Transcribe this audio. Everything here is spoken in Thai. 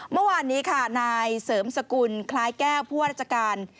เมื่อวานนี้ค่ะนายเสริมสกุลคล้ายแก้วผู้ว่าราชการ